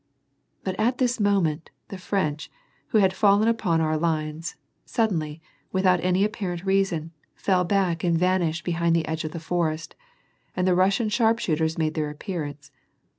But at this moment, the French, who had fallen upon ou/ lines, suddenly, without any apparent reason, fell back and vanished behind the edge of the forest, and the Russian sl)ari> shooters made their appearance.